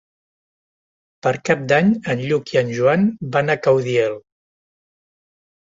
Per Cap d'Any en Lluc i en Joan van a Caudiel.